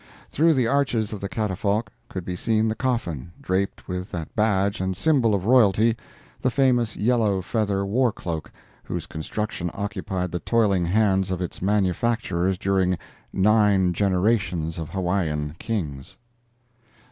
Through the arches of the catafalque could be seen the coffin, draped with that badge and symbol of royalty, the famous yellow feather war cloak, whose construction occupied the toiling hands of its manufacturers during nine generations of Hawaiian Kings.